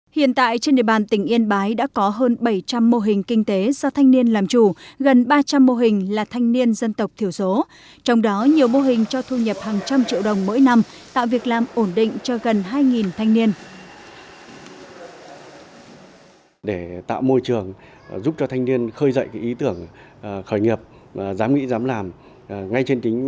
hiện tại trên địa bàn tỉnh yên bái đã có hơn bảy trăm linh mô hình kinh tế do thanh niên làm chủ